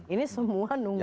ini semua nunggu